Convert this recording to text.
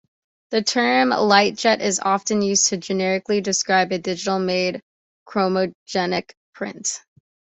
The term "LightJet" is often used to generically describe a digitally made chromogenic print.